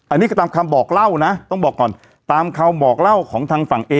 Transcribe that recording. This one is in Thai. อันนี้ก็ตามคำบอกเล่านะต้องบอกก่อนตามคำบอกเล่าของทางฝั่งเอ